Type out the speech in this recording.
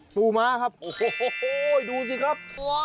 ปูม้าครับโอ้โหดูสิครับ